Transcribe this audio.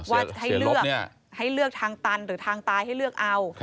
ว่าให้เลือกทางตันหรือทางตายให้เลือกเอา